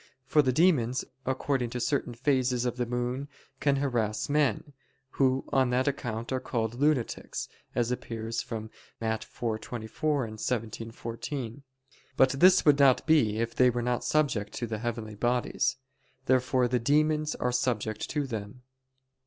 For the demons, according to certain phases of the moon, can harass men, who on that account are called lunatics, as appears from Matt. 4:24 and 17:14. But this would not be if they were not subject to the heavenly bodies. Therefore the demons are subject to them.